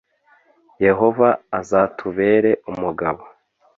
Yehova azatubere umugabo